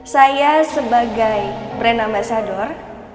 saya sebagai brand ambasador